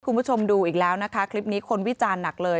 คุณผู้ชมดูอีกแล้วนะคะคลิปนี้คนวิจารณ์หนักเลย